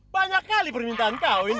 banyak kali permintaan kau ini